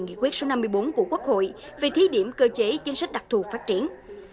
nghị quyết số năm mươi bốn của quốc hội về thí điểm cơ chế chính sách đặc thù phát triển